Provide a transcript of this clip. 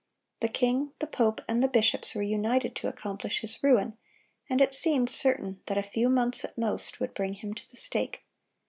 The king, the pope, and the bishops were united to accomplish his ruin, and it seemed certain that a few months at most would bring him to the stake.